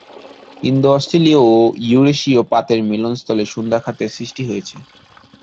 ইন্দো-অস্ট্রেলীয় ও ইউরেশীয় পাতের মিলনস্থলে সুন্দা খাতের সৃষ্টি হয়েছে।